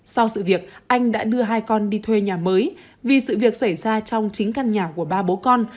sau sự việc anh đã đưa hai con đi thuê nhà mới vì sự việc xảy ra trong chính căn nhà của ba bố con